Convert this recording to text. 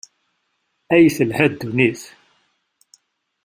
Ay telha ddunit!